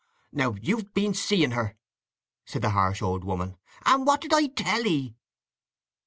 "Now you've been seeing her!" said the harsh old woman. "And what did I tell 'ee?"